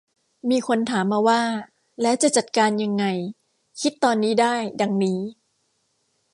มีคนถามมาว่า แล้วจะจัดการยังไง คิดตอนนี้ได้ดังนี้